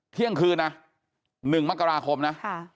เที่ยงคืนนะ๑มกราคมนะ